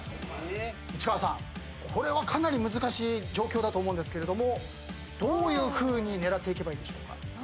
市川さんこれはかなり難しい状況だと思うんですけれどもどういうふうに狙っていけばいいでしょうか？